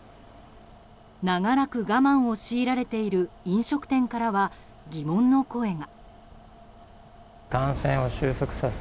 長らく我慢を強いられている飲食店からは、疑問の声が。